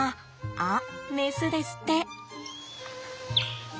あっメスですって。